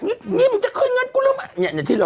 นี่มึงจะขึ้นเงินกูแล้วไหม